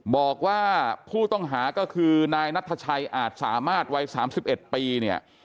บอกว่าผู้ต้องหาก็คือนายนัทชัยอาจสามารถวัย๓๑ปีเนี่ย